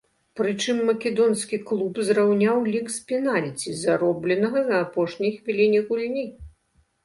Прычым македонскі клуб зраўняў лік з пенальці, заробленага на апошняй хвіліне гульні.